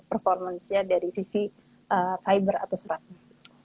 performance nya dari sisi fiber atau serata